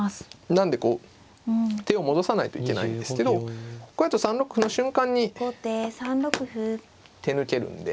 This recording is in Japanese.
なのでこう手を戻さないといけないんですけどこれだと３六歩の瞬間に手抜けるんで。